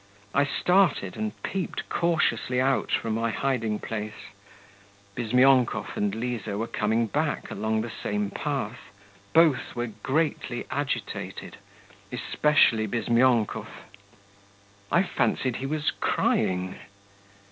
I started, and peeped cautiously out from my hiding place. Bizmyonkov and Liza were coming back along the same path. Both were greatly agitated, especially Bizmyonkov. I fancied he was crying.